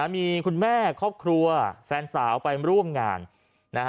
มีคุณแม่ครอบครัวแฟนสาวไปร่วมงานนะฮะ